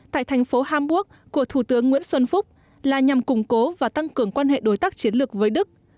tại thành phố hamburg của thủ tướng nguyễn xuân phúc là nhằm củng cố và tăng cường quan hệ đối tác chiến lược với đức